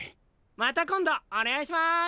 また今度お願いします。